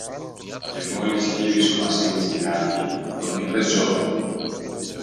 Και μόλις γύρισε ο Βασίλης τη ράχη, τον είπε «ζώο»